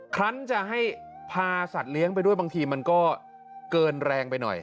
คลั้นจะให้พาสัตว์เลี้ยงไปด้วยบางทีมันก็เกินแรงไปหน่อย